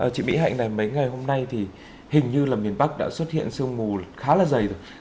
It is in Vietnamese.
chị mỹ hạnh này mấy ngày hôm nay thì hình như là miền bắc đã xuất hiện sương mù khá là dày rồi